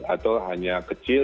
atau hanya kecil